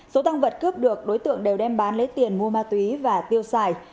số tăng vật cướp được đối tượng đều đem bán lấy tiền mua ma túy và tiêu xài